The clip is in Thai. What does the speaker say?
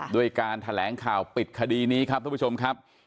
ด้วยการแถลงข่าวปิดคดีนี้ครับทุกผู้ชมครับ